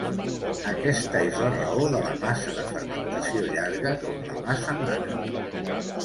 Aquesta és la raó de la massa de fermentació llarga, com la massa mare.